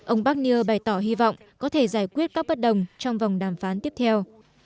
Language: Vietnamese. ông barnier bày tỏ hy vọng có thể giải quyết các bất đồng trong vòng đàm phán tiếp theo